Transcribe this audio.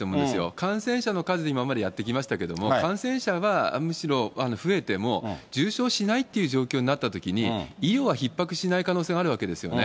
感染者の数で今まで、やってきましたけれども、感染者はむしろ増えても、重症しないっていう状況になったときに、医療はひっ迫しない可能性があるわけですよね。